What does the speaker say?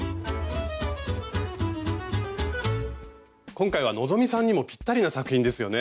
今回は希さんにもぴったりな作品ですよね。